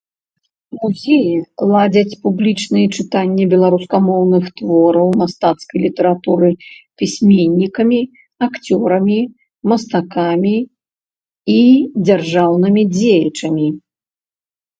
Музеі ладзяць публічныя чытанні беларускамоўных твораў мастацкай літаратуры пісьменнікамі, акцёрамі, мастакамі і дзяржаўнымі дзеячамі.